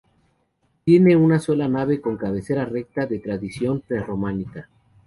Tiene una sola nave con cabecera recta de tradición prerrománica.